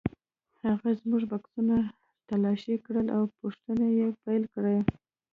هغې زموږ بکسونه تالاشي کړل او پوښتنې یې پیل کړې.